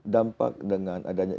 dampak dengan adanya